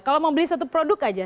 kalau mau beli satu produk aja